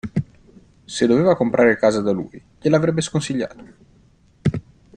Se doveva comprare casa da lui gliela avrebbe sconsigliato.